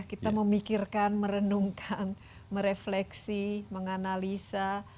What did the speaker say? kita memikirkan merenungkan merefleksi menganalisa